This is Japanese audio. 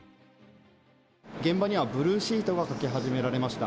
現場にはブルーシートがかけ始められました。